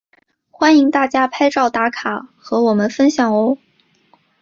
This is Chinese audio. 欢迎大家拍照打卡和我们分享喔！